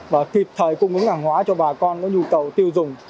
và kịp thời cung ứng hàng hóa cho bà con có nhu cầu tiêu dùng